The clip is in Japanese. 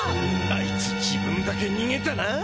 あいつ自分だけにげたな。